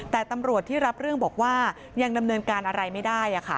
แต่ตำรวจที่รับเรื่องบอกว่ายังดำเนินการอะไรไม่ได้